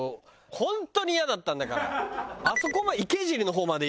「本当にイヤだったんだから」